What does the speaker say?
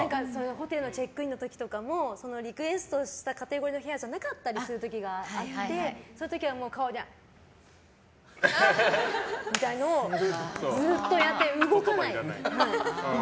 ホテルのチェックインの時とかもリクエストしたカテゴリーの部屋じゃなかったりする時があって、そういう時は顔でみたいなのをずっとやって動かない。